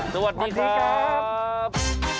สวัสดีครับ